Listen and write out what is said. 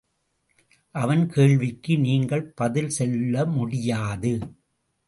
அவன் கேள்விக்கு நீங்கள் பதில் சொல்ல முடியாது.